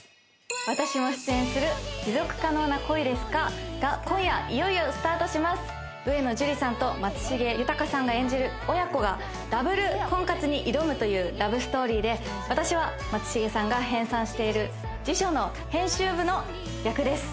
私も出演する「持続可能な恋ですか？」が今夜いよいよスタートします上野樹里さんと松重豊さんが演じる親子がダブル婚活に挑むというラブストーリーで私は松重さんが編纂している辞書の編集部の役です